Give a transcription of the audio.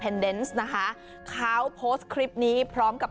นะคะก้าวโฟย์สคริปนี้พร้อมกับ